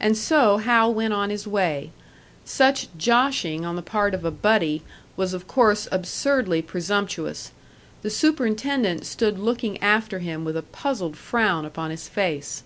And so Hal went on his way. Such "joshing" on the part of a "buddy" was of course absurdly presumptuous; the superintendent stood looking after him with a puzzled frown upon his face.